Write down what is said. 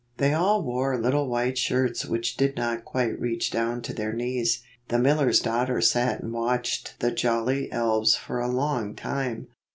24 They all wore little white shirts which did not quite reach down to their knees. The miller s daughter sat and watched the jolly elves for a long time.